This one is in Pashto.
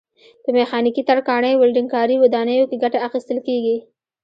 په میخانیکي، ترکاڼۍ، ولډنګ کاري، ودانیو کې ګټه اخیستل کېږي.